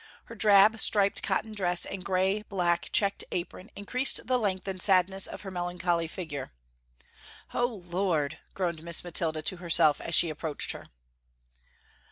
Her drab striped cotton dress and gray black checked apron increased the length and sadness of her melancholy figure. "Oh, Lord!" groaned Miss Mathilda to herself as she approached her.